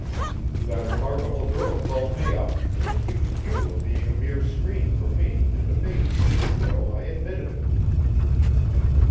"That remarkable girl called me up, and accused you of being a mere screen for me and amazed me so I admitted it."